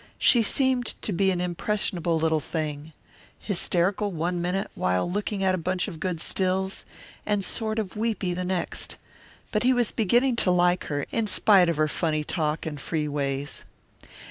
She seemed to be an impressionable little thing, hysterical one minute while looking at a bunch of good stills, and sort of weepy the next. But he was beginning to like her, in spite of her funny talk and free ways.